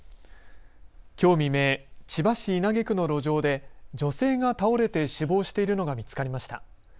きょう未明、千葉市稲毛区の路上で女性が倒れて死亡しているのが見つかりました。